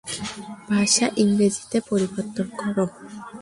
ভাষা ইংরেজিতে পরিবর্তন করো।